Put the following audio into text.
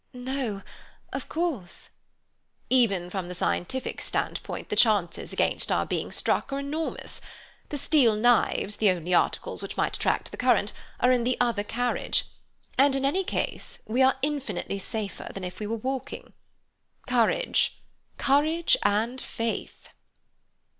"No—of course—" "Even from the scientific standpoint the chances against our being struck are enormous. The steel knives, the only articles which might attract the current, are in the other carriage. And, in any case, we are infinitely safer than if we were walking. Courage—courage and faith."